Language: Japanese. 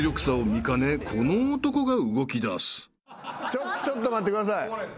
［あまりの］ちょっと待ってください。